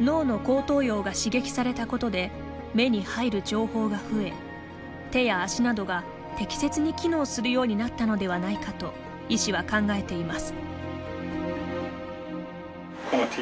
脳の後頭葉が刺激されたことで目に入る情報が増え手や足などが適切に機能するようになったのではないかと医師は考えています。